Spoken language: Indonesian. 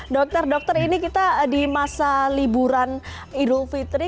dokter dokter ini kita di masa liburan idul fitri